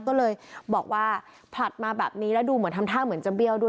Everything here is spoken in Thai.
ก็เลยบอกว่าผลัดมาแบบนี้แล้วดูเหมือนทำท่าเหมือนจะเบี้ยวด้วย